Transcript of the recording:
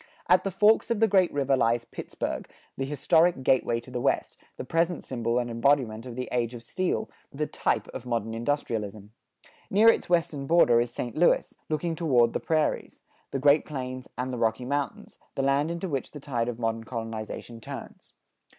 At the forks of the great river lies Pittsburgh, the historic gateway to the West, the present symbol and embodiment of the age of steel, the type of modern industrialism. Near its western border is St. Louis, looking toward the Prairies, the Great Plains and the Rocky Mountains, the land into which the tide of modern colonization turns.